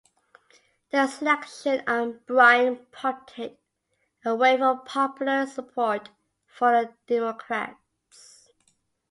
The selection of Bryan prompted a wave of popular support for the Democrats.